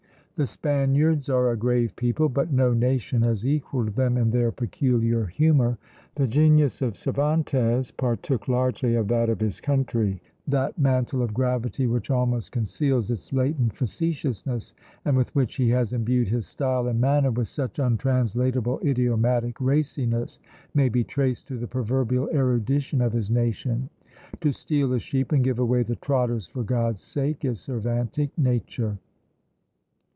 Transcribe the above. The Spaniards are a grave people, but no nation has equalled them in their peculiar humour. The genius of Cervantes partook largely of that of his country; that mantle of gravity, which almost conceals its latent facetiousness, and with which he has imbued his style and manner with such untranslatable idiomatic raciness, may be traced to the proverbial erudition of his nation. "To steal a sheep, and give away the trotters for God's sake!" is Cervantic nature!